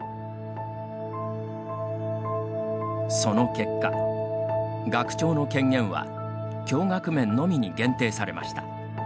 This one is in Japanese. その結果、学長の権限は教学面のみに限定されました。